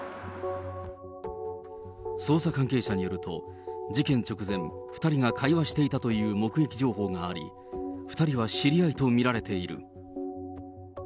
捜査関係者によると、事件直前、２人が会話していたという目撃情報があり、２人は知り合いと見られている。